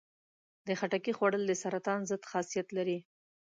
د خټکي خوړل د سرطان ضد خاصیت لري.